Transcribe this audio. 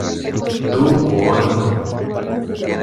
Du Quoin No.